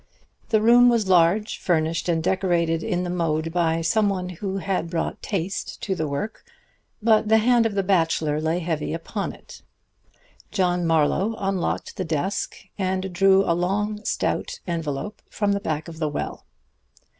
The room was large, furnished and decorated in the mode by someone who had brought taste to the work; but the hand of the bachelor lay heavy upon it. John Marlowe unlocked the desk and drew a long, stout envelop from the back of the well.